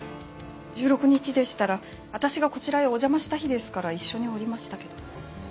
１６日でしたら私がこちらへお邪魔した日ですから一緒におりましたけど。